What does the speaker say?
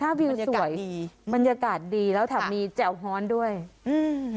ท่าวิวสวยบรรยากาศดีแล้วแถมมีแจ่วฮ้อนด้วยมันยากาศดี